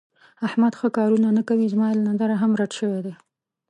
احمد ښه کارونه نه کوي. زما له نظره هم رټ شوی دی.